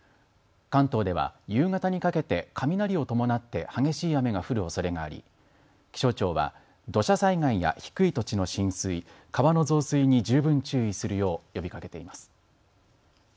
関東では夕方にかけて雷を伴って激しい雨が降るおそれがあり気象庁は土砂災害や低い土地の浸水、川の増水に十分注意するよう呼びかけています。